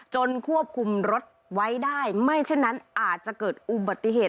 ควบคุมรถไว้ได้ไม่เช่นนั้นอาจจะเกิดอุบัติเหตุ